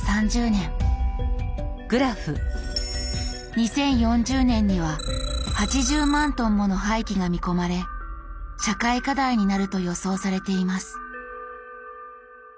２０４０年には８０万トンもの廃棄が見込まれ社会課題になると予想されています。